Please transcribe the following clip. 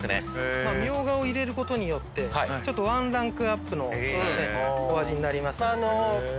ミョウガを入れることによってワンランクアップのお味になります。